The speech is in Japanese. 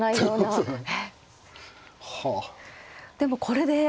そうですね。